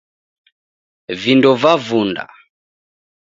Vindo vavunda